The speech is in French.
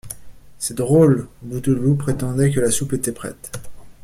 C’est drôle, Bouteloup prétendait que la soupe était prête.